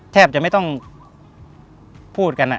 แทบจะไม่ต้องพูดกัน